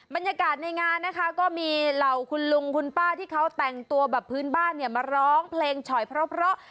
บรรยากาศในงานนะคะก็มีเหล่าคุณลุงคุณป้าที่เขาแต่งตัวแบบพื้นบ้านเนี่ยมาร้องเพลงฉ่อยเพราะ